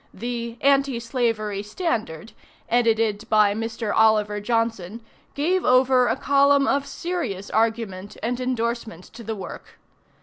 The "Anti Slavery Standard," edited by Mr. Oliver Johnson, gave over a column of serious argument and endorsement to the work.